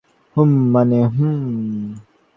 হুম, মানে, হুম।